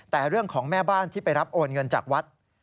แต่เรื่องของแม่บ้านที่ไปรับโอนเงินจากวัด